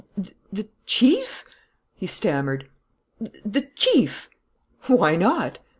"The chief!" he stammered. "The chief!" "Why not?"